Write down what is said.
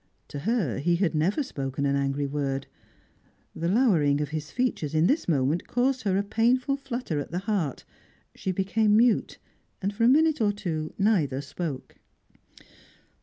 To her he had never spoken an angry word. The lowering of his features in this moment caused her a painful flutter at the heart; she became mute, and for a minute or two neither spoke.